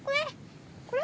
これ！